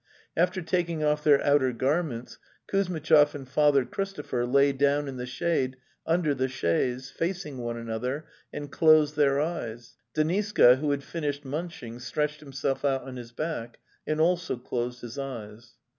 After taking off their outer garments Kuzmitchov and Father Christopher lay down in the shade under the chaise, facing one another, and closed their eyes. Deniska, who had finished munching, stretched him self out on his back and also closed his eyes.